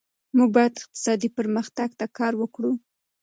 موږ باید اقتصادي پرمختګ ته کار وکړو.